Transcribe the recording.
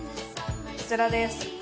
こちらです